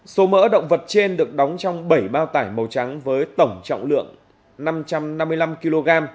số mỡ động vật trên được đóng trong bảy bao tải màu trắng với tổng trọng lượng năm trăm năm mươi năm kg